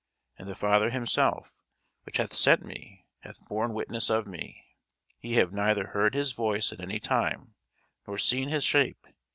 And the Father himself, which hath sent me, hath borne witness of me. Ye have neither heard his voice at any time, nor seen his shape.